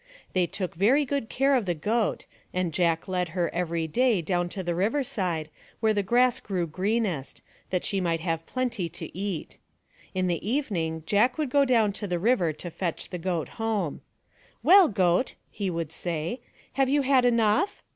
They took very good care of the goat and Jack led her every day down to the riverside where the grass grew greenest, that she might have plenty to eat In the evening Jack would go down by the river to fetch the goat home. Well^ goat," he would say, " have you had enough?"